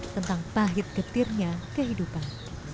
tentang pahit getirnya kehidupan